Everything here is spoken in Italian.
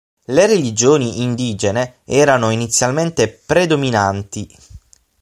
Le religioni indigene erano inizialmente predominanti.